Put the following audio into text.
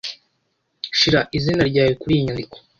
Shira izina ryawe kuriyi nyandiko.